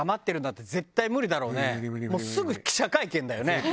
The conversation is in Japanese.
すぐ記者会見だよね。